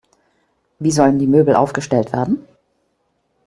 Wie sollen die Möbel aufgestellt werden?